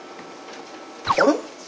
あれ？